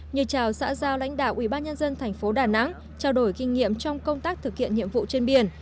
như chào xã giao lãnh đạo ubnd tp đà nẵng trao đổi kinh nghiệm trong công tác thực hiện nhiệm vụ trên biển